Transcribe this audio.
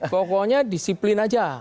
pokoknya disiplin aja